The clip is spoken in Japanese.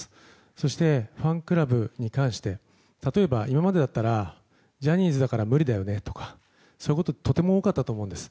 そして、ファンクラブに関して例えば、今までだったらジャニーズだから無理だよねとかそういうことがとても多かったと思うんです。